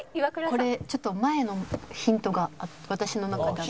これちょっと前のヒントが私の中で。